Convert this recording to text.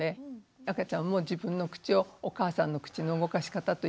赤ちゃんも自分の口をお母さんの口の動かし方と一緒にこう。